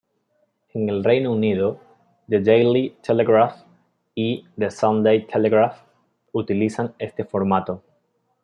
En el Reino Unido, "The Daily Telegraph" y "The Sunday Telegraph" utilizan este formato.